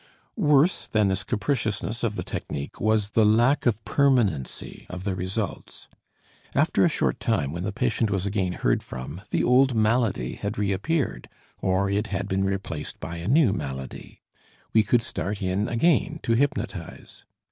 Worse than this capriciousness of the technique was the lack of permanency of the results. After a short time, when the patient was again heard from, the old malady had reappeared, or it had been replaced by a new malady. We could start in again to hypnotize.